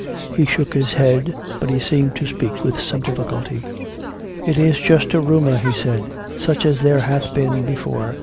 He shook his head, but he seemed to speak with some difficulty. " It is just a riunour," he said, " such as there hath been before.